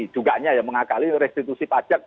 juga mengakali restitusi pajak